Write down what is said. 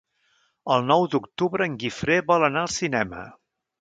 El nou d'octubre en Guifré vol anar al cinema.